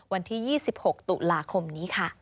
วันที่๒๖ตุลาคมนี้ค่ะ